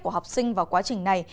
của học sinh vào quá trình này